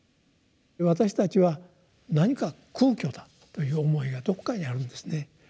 私たちは何か空虚だという思いがどこかにあるんですね。